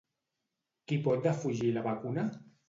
Qui pot defugir la vacuna?